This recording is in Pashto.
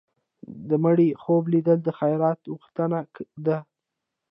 د مړي خوب لیدل د خیرات غوښتنه ده.